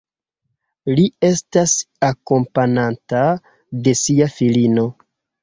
Li estas akompanata de sia filino.